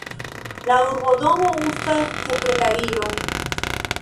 La urbodomo uzas sekretarion.